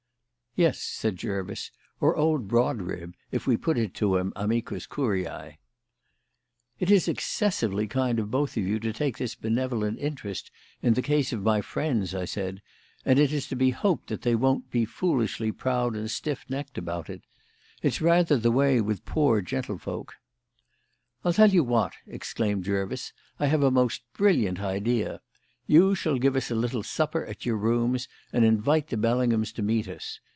"Yes," said Jervis. "Or old Brodribb, if we put it to him amicus curiae." "It is excessively kind of both of you to take this benevolent interest in the case of my friends," I said; "and it is to be hoped that they won't be foolishly proud and stiff necked about it. It's rather the way with poor gentlefolk." "I'll tell you what!" exclaimed Jervis. "I have a most brilliant idea. You shall give us a little supper at your rooms and invite the Bellinghams to meet us.